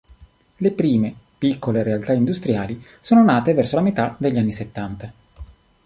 Le prime piccole realtà industriali sono nate verso la metà degli anni settanta.